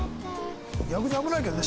逆に危ないけどね